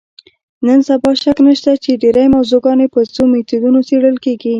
نن سبا شک نشته چې ډېری موضوعګانې په څو میتودونو څېړل کېږي.